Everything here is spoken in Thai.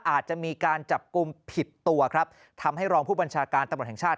อาจจะมีการจับกลุ่มผิดตัวครับทำให้รองผู้บัญชาการตำรวจแห่งชาติ